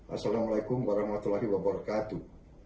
assalamualaikum warahmatullahi wabarakatuh